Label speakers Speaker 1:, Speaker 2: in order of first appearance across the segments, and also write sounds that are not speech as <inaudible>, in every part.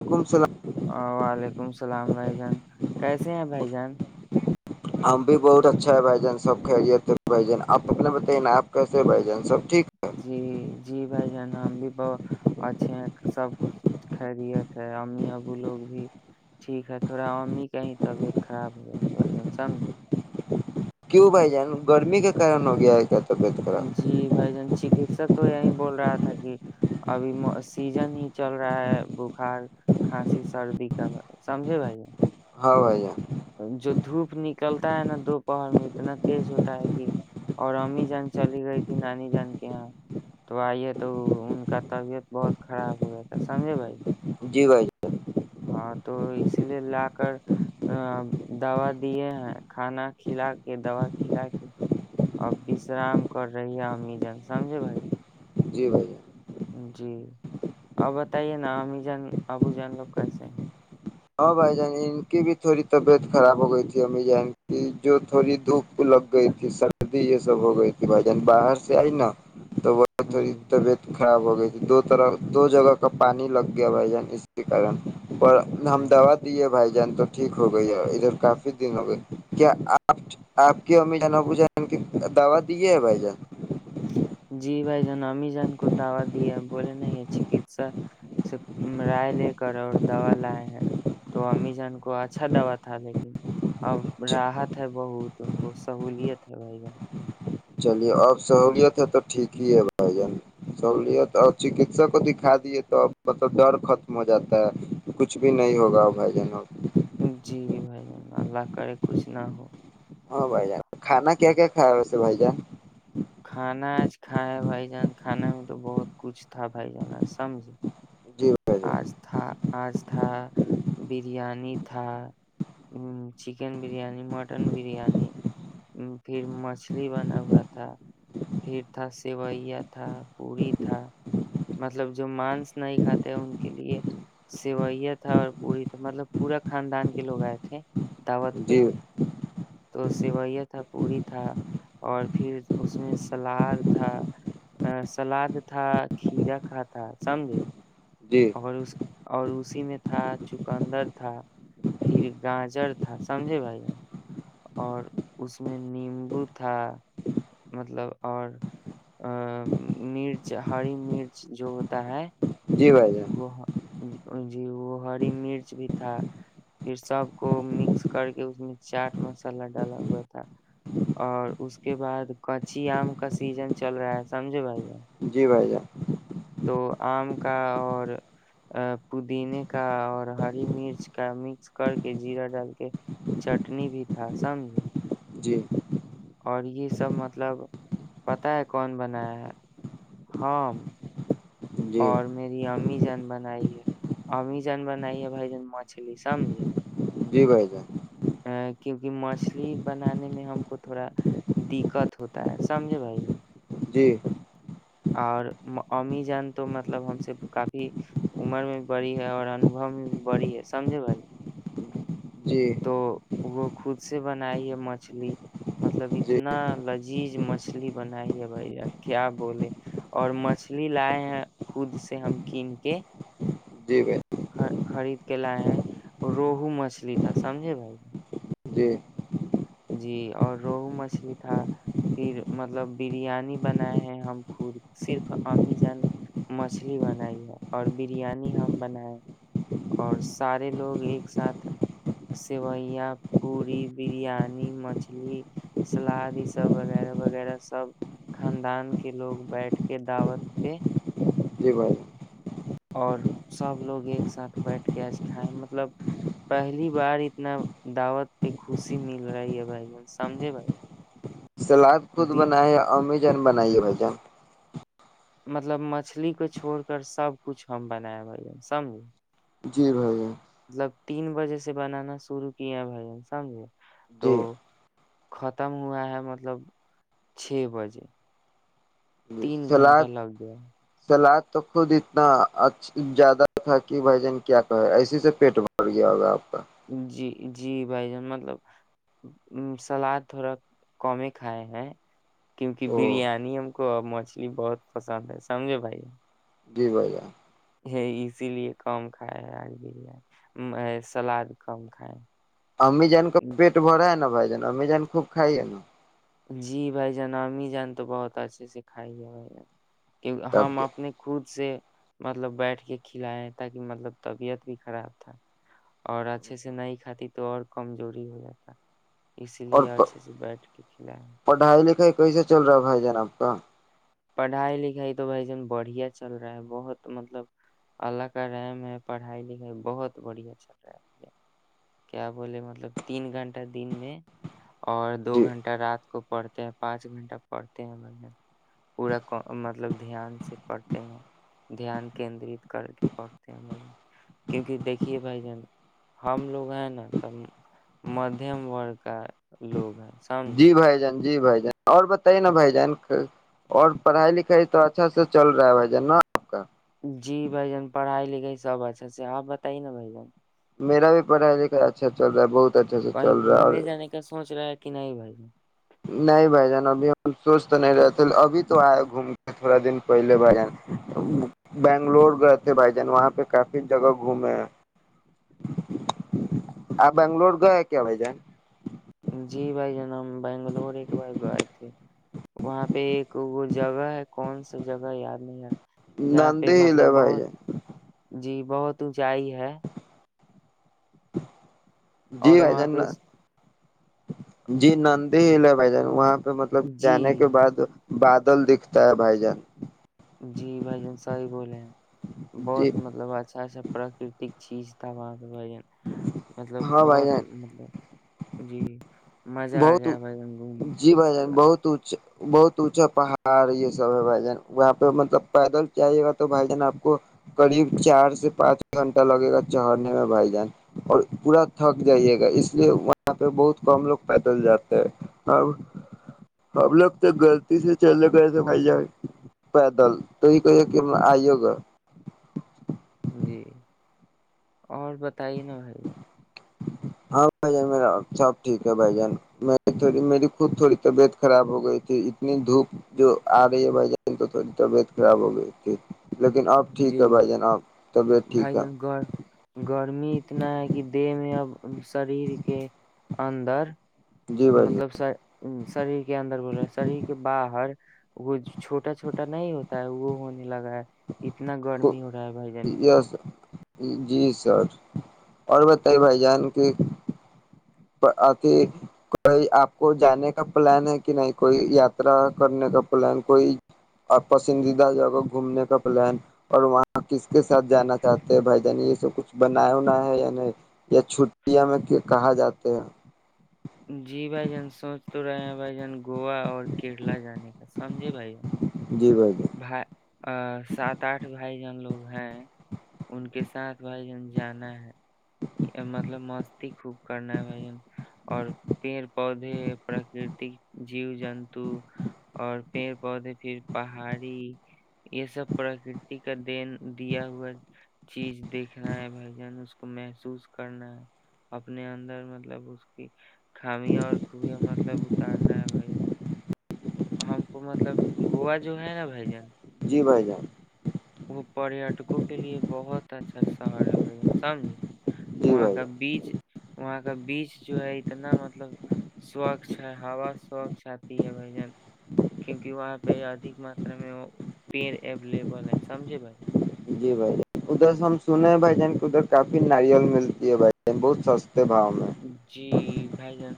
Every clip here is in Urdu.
Speaker 1: وعلیکم السلام
Speaker 2: ہ وعلیکم السلام بھائی جان کیسے ہیں بھائی جان
Speaker 1: ہم بھی بہت اچھا ہے بھجن سب کے تھ بھجن آپ اپنا بتائیے نا آپ کیسے بھجن سب ٹھیک
Speaker 2: جی جی بھائی جانا ہم بھی بہت اچھے سب کچھ خرییت ہے امی ابو لوگ بھی ٹھیک ہے تھوڑا امی کا ہی طبیعت خراب ہو جاتا ہے سمجھے
Speaker 1: کیوں بھائی جان گرمی کے کارن ہو گیا ہے کیا طبیعت خراب
Speaker 2: جی بھائی جان چکسک تو یہی بول رہا تھا کہ ابھی سیزن ہی چل رہا ہے بخار کھانسی سردی کا سمجھے بھائی
Speaker 1: ہاں آھا
Speaker 2: چلتا ہے نا دو پہر میں اتنا تیز ہوتا ہے کہ اور امی جان چلی گئی تھی نانی جان کے یہاں تو آئی ہے تو ان کا طبیعت بہت خراب ہو گیا تھا سمجھے بھائی
Speaker 1: جی بھائی
Speaker 2: ہاں تو اس لیے لا کر ا دوا دیے ہیں کھانا کھلا کے دوا کھلا کے اور وشرام کر رہی ہے امی جن سمجھے بھائی
Speaker 1: جی بھیا
Speaker 2: جی آپ بتائیے نا ہمیں جان ابو جان لو کیسے ہیں
Speaker 1: ہاں بھائی جان ان کی بھی تھوڑی طبیعت خراب ہو گئی تھی امی ج ان کی جو تھوڑی دھوپ لگ گئی تھی سردی یہ سب ہو گئی تھی بھائی جان باہر سے آئی نا تو ب
Speaker 2: جی
Speaker 1: تھوڑی طبیعت خراب ہو گئی تھی دو طرح دو جگہ کا پانی لگ گیا بھائی جان اس کے کارن پر ہم دوا
Speaker 2: اچھا
Speaker 1: دی ہے بھائی جان تو ٹھیک ہو گئی ہے ادھر کافی دن ہو گئے کیا آپ آپ کی امی جان ب جان کی دوا دیے ہے بھائی جان
Speaker 2: جی بھائی جان امی جان کو دوا دییا بولے نہیں یہ چکسا سے رائے لے کر اور دوا لائے ہیں تو امی جان کو اچھا دوا تھا لیکن اب راحت ہے بہت ان کو سہولیت ہے بھائی جان
Speaker 1: چلیے اب سہولیت ہے تو ٹھیک ہی ہے بھائی جان سہوولت اور چکسک کو دکھا دیے تو اب مطلب ڈر ختم ہو جاتا ہے کچھ بھی نہیں ہوگا بھائی جان اب
Speaker 2: جان جی بھائی جان اللہ کرے کچھ نہ ہو
Speaker 1: ہاں بھائی جان کھانا کیا کیا کھیا وسے بھائی جان
Speaker 2: کھانا آج کھا ہے بھائی جان کھانا میں تو بہت کچھ تھا بھائی جانا سمجھ
Speaker 1: جی بھائی جان
Speaker 2: آج تھا آج تھا برییانی تھا ہ چکن بریانی مٹن بریانی پھر مچھلی بنا ہوا تھا پھر تھا سیویا تھا پوی تھا مطلب جو مانس نہیں کاتا ان کے لیے سوئیا تھا اور پوری مطلب پورا خاندان کے لوگ آئے تھے دعوت
Speaker 1: جی
Speaker 2: پہ تو سویا تھا پوری تھا اور پھر اس میں سلاد تھا سلاد تھا کھیرا کا تھا سمجھے
Speaker 1: جی
Speaker 2: اور اس اور اس میں تھا چکندر تھا پھر گاجر تھا سمجھے بھائی اور اس میں نیمبو تھا مطلب اور ا مرچ ہری مرچ جو ہوتا ہے
Speaker 1: جی بھائی جان
Speaker 2: وہ جی وہ ہری مرچ بھی تھا پھر سب کو مکس کر کے اس میں چاٹ مسالہ ڈالا ہوا تھا اور اس کے بعد کچی آم کا سیزن چل رہا ہے سمجھے بھائی
Speaker 1: جی بھائی جان
Speaker 2: تو آم کا اور پودینے کا اور ہری مرچ کا مکس کر کے جیرا ڈال کے چٹنی بھی تھا سمج
Speaker 1: جی
Speaker 2: اور یہ سب مطلب پتا ہے کون بنایا ہے ہم
Speaker 1: جی
Speaker 2: اور میری امی جان بنائی ہے امی جان بنائی ہے بھائی جن مچھلی سمج
Speaker 1: جی بھائی جان
Speaker 2: ا کیونکہ مچھلی بنانے میں ہم کو تھوڑا دقت ہوتا ہے سمجھے بھائی
Speaker 1: جی
Speaker 2: اور امی جان تو مطلب ہم سے کافی عمر میں بڑی ہے اور انوبو میں بھی بڑی ہے سمجھے بھائی
Speaker 1: جی
Speaker 2: تو وہ خود سے بنائی ہے مچھلی مطلب
Speaker 1: جی
Speaker 2: اتنا لذیذ مچھلی بنائی ہے بھائی جان کیا بولے اور مچھلی لائے ہیں خود سے ہم کین کے
Speaker 1: جی بھائی
Speaker 2: خرید کے لائے ہیں اور روہو مچھلی تھا سمجھے بھائی
Speaker 1: جی
Speaker 2: جی اور روہو مچھلی تھا پھر مطلب بریانی بنائے ہیں ہم خود صرف امی جن مچھلی بنائی ہے اور بریانی ہم بنائے اور سارے لوگ ایک ساتھ سیویا پی بریانی پانی مچھلی سلاد یہ سب وغیرہ وغیرہ سب خاندان کے لوگ بیٹھ کے دعوت پہ
Speaker 1: جی بھائی
Speaker 2: اور سب لوگ ایک ساتھ بیٹھ کے آج کھائے مطلب پہلی بار اتنا دعوت پہ خوشی مل رہی ہے بھائی جن سمجھے بھائی
Speaker 1: سلاد خود
Speaker 2: جان؟ دی-
Speaker 1: بناائے امی ان بنائیے بھائی جان
Speaker 2: مطلب مچھلی کو چھڑ کر سب کچھ ہم بناائ ب سمج
Speaker 1: جی بھیا
Speaker 2: تب تین بجے سے بنانا شرع کیا بھ سمجھے تو
Speaker 1: جی
Speaker 2: ختم ہوا ہے مطلب چھ بجے
Speaker 1: جی
Speaker 2: تین
Speaker 1: سلاد
Speaker 2: گھنٹہ لگ گیا
Speaker 1: سلاد تو خود اتناچ زیادہ تھا کہ بھائی جان کیا کہے ایسے سے پیٹ بھر گیا ہوگا آپ کا
Speaker 2: جی جی بھائی جان مطلب سلاد تھوڑا کمی کھائے ہیں کیونکہ
Speaker 1: او
Speaker 2: بریانی ہم کو م مچھلی بہت پسند ہے سمجھے بھائی
Speaker 1: جی بھیا
Speaker 2: یہ اسی لیے کم کھائے آج بریانی سلاد کم کھائے
Speaker 1: امی جان کا
Speaker 2: ہیں۔
Speaker 1: پیٹ بھرا ہے نا بھائی امی جان خوب کائیے نا
Speaker 2: جی بھائی جناامی جان تو بہت اچھے سے کھائی ہے بھائی کہ
Speaker 1: تب
Speaker 2: ہم
Speaker 1: کے۔
Speaker 2: اپنے خود سے مطلب بیٹھ کے کھلائے تاکہ مطلب طبیعت بھی خراب تھا اور اچھے سے نہیں کھاتی تو اور کمزوری ہو جاتا اسی
Speaker 1: اور
Speaker 2: لیے اچھے سے بیٹھ کے کھلائے ہیں۔
Speaker 1: پڑھائی لکھائی کیسے چل رہا ہے بھائی جانب کا
Speaker 2: پڑھائی لکھائی تو بھائی جان بڑھیا چل رہا ہے بہت مطلب اللہ کا رحم ہے پڑھائی لکھائی بہت بڑھیا چل رہا ہے کیا بولے مطلب تین گھنٹہ دن میں اور دو
Speaker 1: جی
Speaker 2: گھنٹہ رات کو پڑھتے ہیں پانچ گھنٹہ پڑھتے ہیں پورا مطلب دھیان سے پڑھتے ہیں دھیان کیندرت کر کے پڑھتے ہیں ب کیونک دیکیے بائی جان ہم لوگ ہیں نا ت مدھیم ورگ کا لوگ ہیں سمجھے
Speaker 1: جی بھائی جان جی بھائی جان اور بتائیے نا بھائی جان اور پڑھائی لکھائی تو اچھا س چل رہا ہے بھائی جان نا آپ کا
Speaker 2: جی بھ جان پڑھائی لکھائی سب اچھا سے آپ بتائیے نا بھ جن
Speaker 1: میرا بھی پڑھ لکھا اچھا چل رہ ہے بہت اچھا سے
Speaker 2: کہیں
Speaker 1: چل رہا ہے اور
Speaker 2: گھومنے جانے کا سوچ رہا ہے کہ نہیں بھائی
Speaker 1: نہیں بھائی جان ابھی ہم سوچ تو نہیں رہے تھے ابھی تو آئے گھوم کے تھوڑا دن پہلے بھائی جان بنگلور گئے تھے بھائی جان وہاں پہ کافی جگہ گھومے ہیں آپ بنگلور گئے کیا بھائی جان
Speaker 2: جی بھائی جنا ہم بنگلور ایک بار گئے تھے وہاں پہ ایک وہ جگہ ہے کون سی جگہ یاد نہیں ار
Speaker 1: ناندی ہیل ہے بھائی ج
Speaker 2: جی بہت اونچائی ہے
Speaker 1: جی
Speaker 2: اور
Speaker 1: بھائی
Speaker 2: وہاں پہ
Speaker 1: جاننا
Speaker 2: س-
Speaker 1: جی نندی ہل ہے بھائی جان وہاں مطلب جانے کے
Speaker 2: جی
Speaker 1: بعد بادل دکھتا ہے بھائی جان
Speaker 2: جی بھائی جن سائی بولے ہیں
Speaker 1: جی
Speaker 2: بہت مطلب اچھا اچھا پراکرتک چیز تھا بعق ائین مطلب
Speaker 1: ہاں بھائی
Speaker 2: بہت
Speaker 1: جان
Speaker 2: مطب جی مزہ آ
Speaker 1: بہت
Speaker 2: گیا بھائی جان گھومنے میں
Speaker 1: جی بھ
Speaker 2: انشاء
Speaker 1: جان
Speaker 2: اللہ
Speaker 1: بہت اچ بہت اونچا پہاڑ یہ سب ہے بھائی جان وہاں پہ مطلب پیدل چاہیے گا تو بھائی جان آپ کو قریب چار سے پانچ گھنٹہ لگے گا چڑھنے میں بھائی جان اور پورا تھک جائیے گا اس لیے وہاں پہ بہت کم لوگ پیدل جاتے ہے ا اب لوگ تو غلط سے چلے گ ج پیدل تو یہ کہیے کہنا آئیے گا
Speaker 2: جی اور ب تائی نہاائی جا
Speaker 1: ہاں بھائی جان میرا سب ٹھیک ہے بھائی جان میں تھڑی میری خود تھوڑی طبیعت خراب ہو گئی تھی اتنی دھوپ جو آ رہی ہے بھائی جان تو تھوڑی طبیعت خراب ہو گئی تھی لیکن اب ٹھیک
Speaker 2: جی
Speaker 1: ہے بھائی جان اب طبیعت
Speaker 2: بھائی
Speaker 1: ٹھیک ہے
Speaker 2: جن گ گرمی اتنا ہے کہ دیہ میں اب شریر کے اندر
Speaker 1: جی بھائی
Speaker 2: مطلب شریر کے اندر بول رہے شریر کے باہر وہ چھوٹا چھوٹا نہیں ہوتا ہے وہ ہونے لگا ہے اتنا
Speaker 1: جان
Speaker 2: گرمی ہو رہا ہے بھائی جاندھر
Speaker 1: یس جی سر اور بتائیے بھائی جان کے اھی کوئی آپ کو جانے کا پلان ہے کہ نہیں کوئی یاترا کرنے کا پلان کوئی پسندیدہ جگہ گھومنے کا پلان اور وہاں کس کے ساتھ جانا چاہتے ہیں بھائی جانی یہ سب کچھ بن وناائے ہے یا نہیں یا چھٹیاں میں کہا جاتا <inaudible>
Speaker 2: جی بھائی جان سوچ تو رہے ہیں بھائی جان گووا اور کیرلا جانے کا سمجھے بھائی جان
Speaker 1: جی جان
Speaker 2: بھائی ا سات آٹھ بھائی جن لوگ ہیں ان کے ساتھ بھائی جن جانا ہے مطلب مستی خوب کرنا ہے بھن اور پیڑ پودے پراکرتک جیو جنتو اور پیڑ پودے پھر پہاڑی یہ سب پرکرتی کا دین دیا ہوا چیز دیکھ رہا ہے بھائی جان اس کو کو محسوس کرنا ہے اپنے اندر مطلب اس کی خامیاں اور کوبیاں مطلب اتارنا ہے بھائی ہم کو مطلب گووا جو ہے نا بھ جن
Speaker 1: جی بھائی جان
Speaker 2: پریٹکوں کے لیے بہت اچھا شہر ہے بھائی یہ سمجے
Speaker 1: جی
Speaker 2: وہاں
Speaker 1: بھائی
Speaker 2: کا بیج وہاں کا بیچ جو ہے اتنا مطلب سوچھ ہے ہا سوچھ آتی ہے بھ جن کیوںونکہ وہاں پہ ادھک ماترا میں وہ پیڑ اویلیبل ہے سمجے بھائی
Speaker 1: جی بھائی ادھر سے ہم سنے
Speaker 2: جان
Speaker 1: ہیں بھائی جان ادھر کافی ناریل ملتی ہے بھائی بہت سستے باؤ
Speaker 2: جی بھائی جن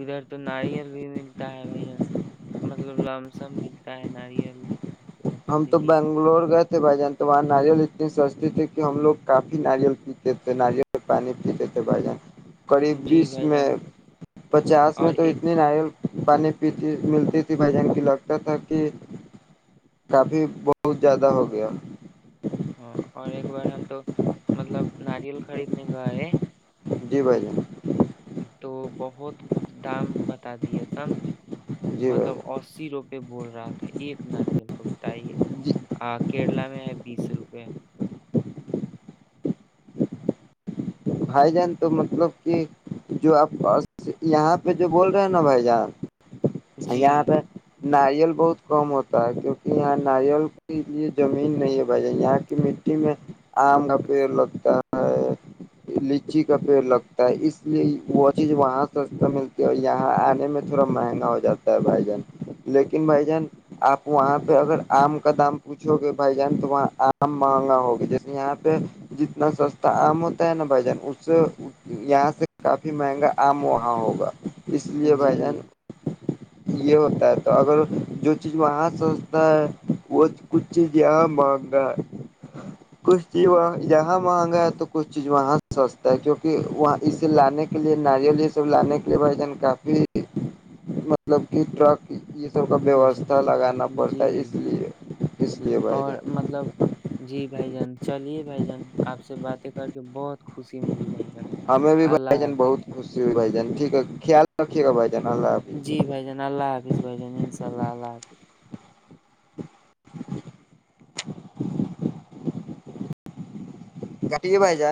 Speaker 2: ادھر تو ناریل بھی ملتا ہے بھائی جن مطلب لم سم ملتا ہے ناریل آپ سے بتا
Speaker 1: ہم
Speaker 2: دے
Speaker 1: تو
Speaker 2: کہ
Speaker 1: بنگلور گئے تھ تھے بھائی جان تو وہاں ناریل اتنی سستتے تھے کہ ہم لوگ کافی ناریل پیتے تھے ناریل سے پانی پیتے تھے بھائی جان قریب
Speaker 2: جی
Speaker 1: بیس
Speaker 2: بھائی
Speaker 1: میں
Speaker 2: جان
Speaker 1: پچاس میں
Speaker 2: اور
Speaker 1: تو
Speaker 2: ایک
Speaker 1: اتنی نہ ہے پانی پیتی ملتی تھی بھائی جن کی لگتا تھا کہ کافی بہت زیادہ ہو گیا
Speaker 2: ہاں اور ایک بار ہم تو مطلب ناریل خریدنے کائے ہے
Speaker 1: جی بھائی جائی
Speaker 2: تو بہت دام بتا دیا سمجھے
Speaker 1: جی بھائی
Speaker 2: مطلب اسی روپئے بول رہا تھا ایک ناریل بتائیے
Speaker 1: جان جی
Speaker 2: کیرلا میں ہے بیس روپے
Speaker 1: بھائی جان تو مطلب کہ جو آپس یہاں پہ جو بول رہے ہیں نا بھائی جان ا
Speaker 2: جی
Speaker 1: یہاں پ ناریل بہت کم ہوتا ہے کیونکہ یہاں ناریل کے لیے زمین نہیں ہے بھائی یہاں کی مٹی میں آم کا پیڑ لگتا ہے لچی کا پیڑ لگتا ہے اس لیے وہ چیز وہاں سستا ملتی ہے اور یہاں آنے میں تھوڑا مہنگا ہو جاتا ہے بھائی جان لیکن بھائی جان آپ وہاں پہ اگر آم کا دام پوچھو گے بھائی جان تو وہاں آم مہنگا ہوگے جیسے یہاں پہ جتنا سستا آم ہو نا بھائی جان اس یہاں سے کافی مہنگا آم وہاں ہوگا اس لیے
Speaker 2: جی
Speaker 1: بھائی جان یہ ہوتا ہے تو اگر جو چیز وہاں سجتا ہے وہ کچھ چیز یہاں مانگا ہے کش جی وا یہاں مہنگا تو کچھ چیز وہاں سستا ہے کیوںکہ وہاں اسے لانے کے لیے ناریل یہ سب لانے کے لیے بھائی جان کافی مطلب کہ ٹرک ہی
Speaker 2: جی جی
Speaker 1: ہے اس لیے اس لیے بھائی
Speaker 2: اور
Speaker 1: جان
Speaker 2: مطلب جی بھائی جان چلیے بھائی جان آپ سے باتیں کر کے بہت خوشی ملی بھائی جان اللہ حاظ
Speaker 1: سو بائی جان ٹھیک ہے خیال رکے گ بھائی جان اللہ حافظ
Speaker 2: جی بھائی جان اللہ حافظ بائی جان انشاء اللہ اللہ حافظ
Speaker 1: کاٹ کے پائے جان